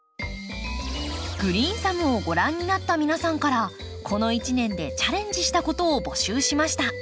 「グリーンサム」をご覧になった皆さんからこの一年でチャレンジしたことを募集しました。